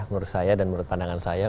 menurut saya dan menurut pandangan saya